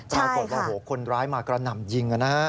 ปรากฏว่าคนร้ายมากระหน่ำยิงนะฮะ